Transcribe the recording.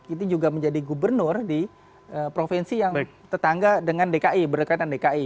ini juga menjadi gubernur di provinsi yang tetangga dengan dki berdekatan dki